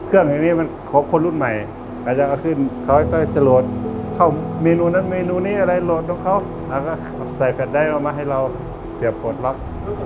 รู้สึกว่าไม่คลาสสิค